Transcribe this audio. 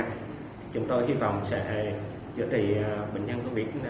chúng tôi hy vọng sẽ chữa trị bệnh nhân covid